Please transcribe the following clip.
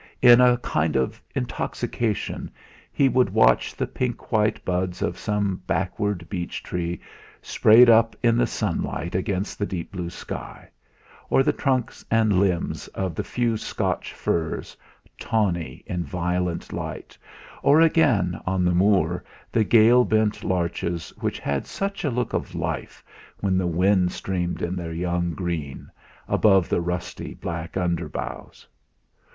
In a kind of intoxication he would watch the pink white buds of some backward beech tree sprayed up in the sunlight against the deep blue sky, or the trunks and limbs of the few Scotch firs, tawny in violent light, or again, on the moor, the gale bent larches which had such a look of life when the wind streamed in their young green, above the rusty black underboughs.